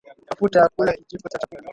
mafuta ya kula kijiko cha chakula